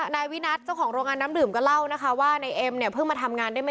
นายวินัทเจ้าของโรงงานน้ำดื่มก็เล่าว่านายเอ็มเพิ่งมาทำงานไม่กี่วัน